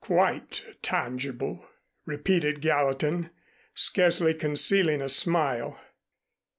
"Quite tangible," repeated Gallatin, scarcely concealing a smile.